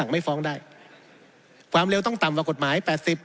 ไม่ฟ้องได้ความเร็วต้องต่ำกว่ากฎหมายแปดสิบ